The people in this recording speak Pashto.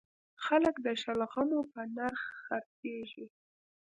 خلک د شلغمو په نرخ خرڅیږي